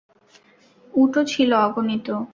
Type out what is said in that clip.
উটও ছিল অগণিত।